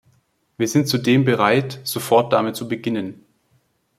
Wir sind zudem bereit, sofort damit zu beginnen.